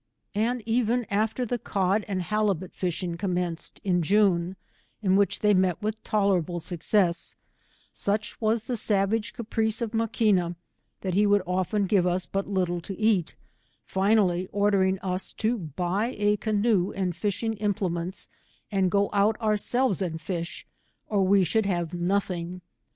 And even afteT the cod and halibut fishing com menced, in June, in which they met with tolerable 'success, such was the savage caprice of Maquina, that he would often give us but little to eat, finally ordering us to buy a canoe and fishing implements, and go out ourselves and fish, or we should have nothing.